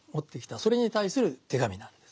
それに対する手紙なんです。